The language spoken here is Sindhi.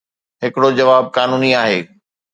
ھڪڙو جواب قانوني آھي.